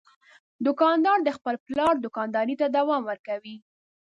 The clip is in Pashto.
دوکاندار د خپل پلار دوکانداري ته دوام ورکوي.